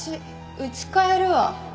うち帰るわ。